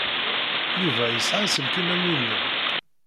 Yuba yesɛa aselkim am win-nnem.